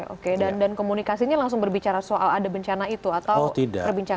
oke dan komunikasinya langsung berbicara soal ada bencana itu atau perbincangan